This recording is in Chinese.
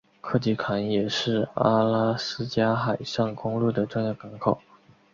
克奇坎也是阿拉斯加海上公路的重要港口。